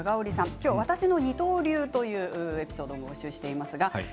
きょうは私の二刀流というエピソードを募集しています。